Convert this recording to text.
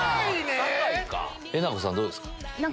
えなこさんどうですか？